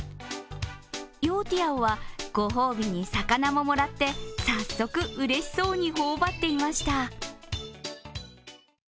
ヨウティヤオはご褒美に魚ももらって早速うれしそうに頬張っていました。